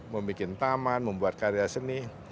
mau bikin taman membuat karya seni